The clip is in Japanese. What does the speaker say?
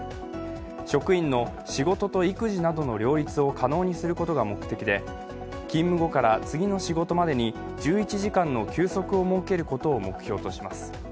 職員の仕事と育児などの両立を可能にすることが目的で勤務後から次の仕事までに１１時間の休息を設けることを目標とします。